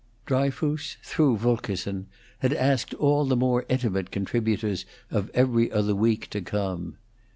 Dryfoos, through Fulkerson, had asked all the more intimate contributors of 'Every Other Week' to come.